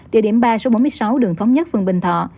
địa điểm ba số bốn mươi sáu đường thống nhất phường bình thọ